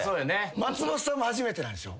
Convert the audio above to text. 松本さんも初めてなんでしょ？